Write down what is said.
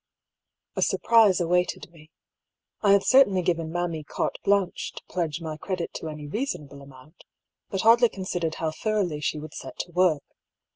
A surprise awaited me. I had certainly given mammy carte llanche to pledge my credit to any rea sonable amount, but hardly considered how thoroughly she would set to work.